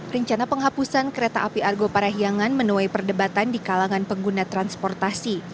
rencana penghapusan kereta api argo parahiangan menuai perdebatan di kalangan pengguna transportasi